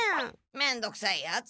めんどくさいヤツ！